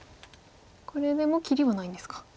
これでもう切りはないんですか。